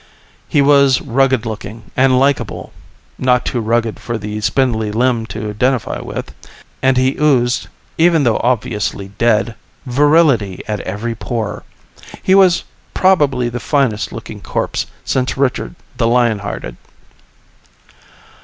He was rugged looking and likable (not too rugged for the spindly limbed to identify with) and he oozed, even though obviously dead, virility at every pore. He was probably the finest looking corpse since Richard the Lion Hearted.